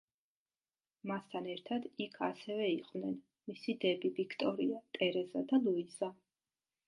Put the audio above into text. მასთან ერთად იქ ასევე იყვნენ მისი დები: ვიქტორია, ტერეზა და ლუიზა.